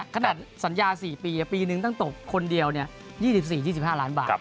ขนาดสัญญา๔ปีปีนึงต้องตกคนเดียว๒๔๒๕ล้านบาท